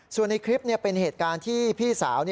ส่วนในคลิปเป็นเหตุการณ์ที่พี่สาว